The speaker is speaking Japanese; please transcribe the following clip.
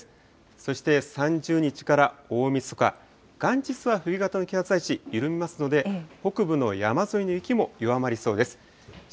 そして３０日から大みそか、元日は冬型の気圧配置緩みますので、北部の山沿いの雪も弱まりそうです。